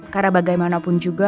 karena bagaimanapun juga